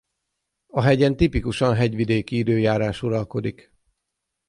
A hegyen tipikusan hegyvidéki időjárás uralkodik.